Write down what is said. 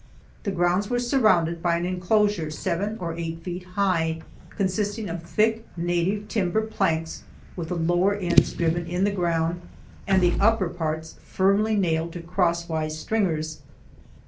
The grounds were surrounded by an inclosure seven or eight feet high, consisting of thick, native timber planks with the lower ends driven in the ground, and the upper parts firmly nailed to cross wise stringers.